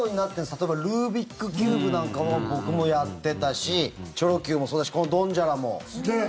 例えばルービックキューブなんかは僕もやってたしチョロＱもそうだしドンジャラも。